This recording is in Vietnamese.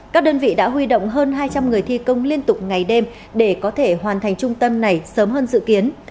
các đơn vị đã huy động hơn hai trăm linh người thi công liên tục ngày đêm để có thể hoàn thành trung tâm này sớm hơn dự kiến